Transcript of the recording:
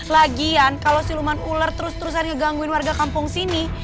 lagian kalau siluman ular terus terusan ngegangguin warga kampung sini